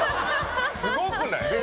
すごくない？